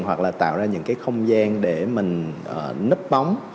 hoặc là tạo ra những cái không gian để mình nứt bóng